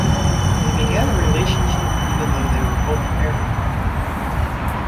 They began a relationship, even though they were both married.